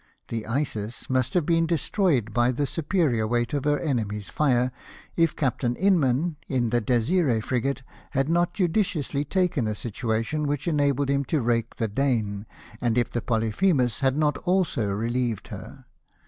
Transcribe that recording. The Isis must have been destroyed by the superior weight of her enemy's fire, if Captain Inman, in the Desiree frigate, had not judiciously taken a situation which en abled him to rake the Dane, and if the Polyphemus had not also relieved her.